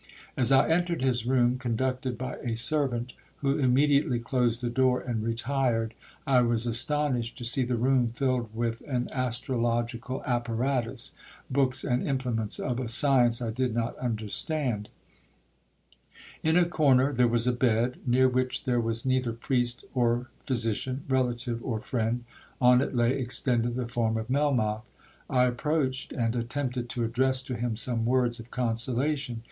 As I entered his room, conducted by a servant, who immediately closed the door and retired, I was astonished to see the room filled with an astrological apparatus, books and implements of a science I did not understand; in a corner there was a bed, near which there was neither priest or physician, relative or friend—on it lay extended the form of Melmoth. I approached, and attempted to address to him some words of consolation.